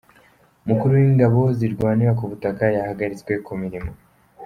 Umukuru w’ingabo zirwanira ku butaka yahagaritswe ku mirimo